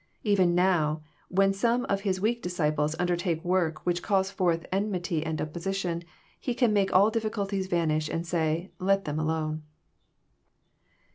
Even now, when some of His weak disciples undertake work which calls forth enmity and opposition, He can make all difficulties vanish, and say, *' Let them alone."